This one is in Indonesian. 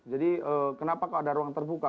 jadi kenapa kalau ada ruang terbuka